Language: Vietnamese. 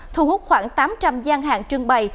thu hút khoảng tám trăm linh gian hàng trưng bày